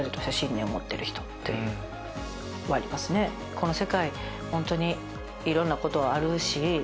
この世界本当にいろんなことあるし。